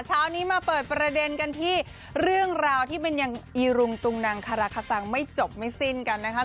เช้านี้มาเปิดประเด็นกันที่เรื่องราวที่มันยังอีรุงตุงนังคาราคาซังไม่จบไม่สิ้นกันนะคะ